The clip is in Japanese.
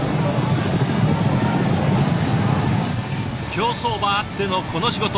競走馬あってのこの仕事。